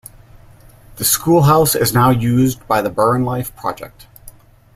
The schoolhouse now is used by the "Burrenlife Project".